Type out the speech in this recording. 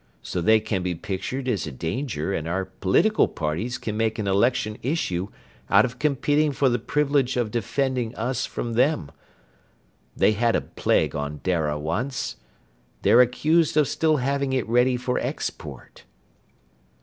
So they can be pictured as a danger and our political parties can make an election issue out of competing for the privilege of defending us from them. They had a plague on Dara, once. They're accused of still having it ready for export."